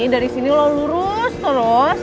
dari sini lo lurus terus